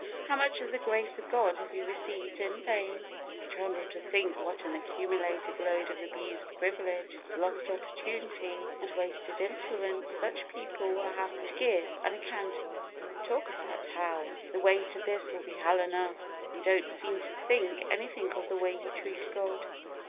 how much of the grace of God have you received in vain? I tremble to think what an accumulated load of abused privilege, lost opportunity, and wasted influence, such people will have to give an account of. Talk about hell! the weight of this will be hell enough. You don't seem to think anything of the way you treat God.